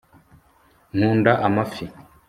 nkunda amafi